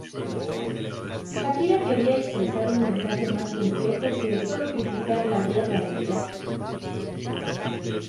Shakira quería expresar un mensaje más complejo que sólo criticar la guerra en Irak.